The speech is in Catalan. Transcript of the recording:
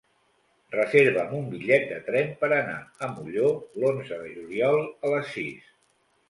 Reserva'm un bitllet de tren per anar a Molló l'onze de juliol a les sis.